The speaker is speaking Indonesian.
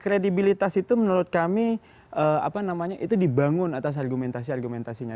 kredibilitas itu menurut kami itu dibangun atas argumentasi argumentasinya